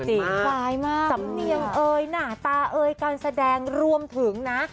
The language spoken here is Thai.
เหมือนมะภาษามากสำเนียงเอ่ยหน้าตาเอ่ยการแสดงรวมถึงนะ